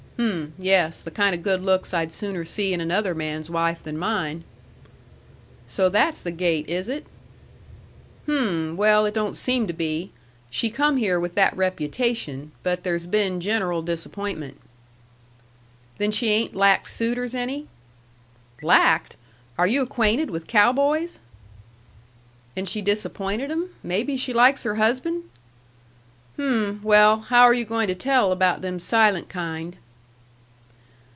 "Hm! Yes. The kind of good looks I'd sooner see in another man's wife than mine." "So that's the gait, is it?" "Hm! well, it don't seem to be. She come here with that reputation. But there's been general disappointment." "Then she ain't lacked suitors any?" "Lacked! Are you acquainted with cow boys?" "And she disappointed 'em? Maybe she likes her husband?" "Hm! well, how are you to tell about them silent kind?"